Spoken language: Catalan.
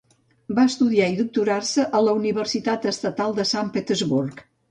Va estudiar i doctorar-se a la Universitat Estatal de Sant Petersburg.